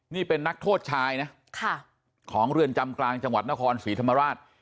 นี่เป็นนักโทษชายนะของเรือนจำกลางจังหวัดนครศรีธรรมราช